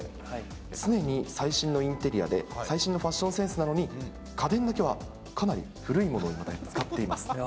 常に最新のインテリアで最新のファッションセンスなのに、家電だけはかなり古いものをいまだに使っています。